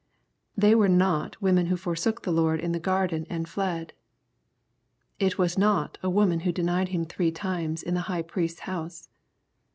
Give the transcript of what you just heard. They were not women who forsook the Lord in the garden and fled. It was not a woman who denied Him three times in the high priest's house.